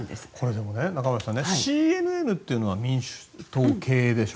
でも、中林さんＣＮＮというのは民主党系でしょ？